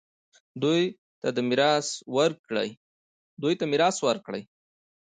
دوی ته میراث ورکړئ